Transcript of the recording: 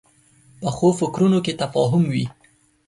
پخو فکرونو کې تفاهم وي